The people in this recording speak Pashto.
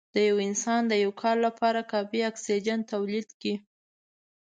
د یو انسان د یو کال لپاره کافي اکسیجن تولید کړ